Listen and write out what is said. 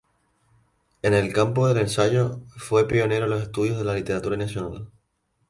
En el campo del ensayo, fue pionero en los estudios de la literatura nacional.